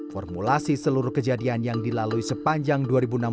formulasi seluruh kejadian yang dilalui sepanjang dua ribu enam belas